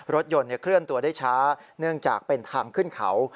รถยนต์เคลื่อนตัวได้ช้าเนื่องจากเป็นทางขึ้นเขา